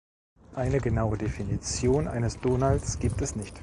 Eine genaue Definition eines Donalds gibt es nicht.